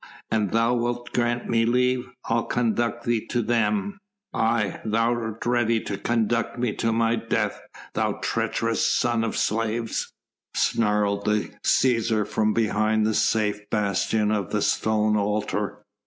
An thou wilt grant me leave I'll conduct thee to them." "Aye! thou'rt ready enough to conduct me to my death, thou treacherous son of slaves," snarled the Cæsar from behind the safe bastion of the stone altar.